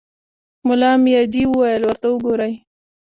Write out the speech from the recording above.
ملا مياجي وويل: ورته وګورئ!